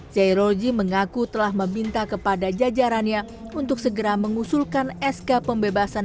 dua ribu dua puluh tiga zairozi mengaku telah meminta kepada jajarannya untuk segera mengusulkan sk pembebasan